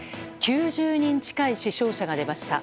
９０人近い死傷者が出ました。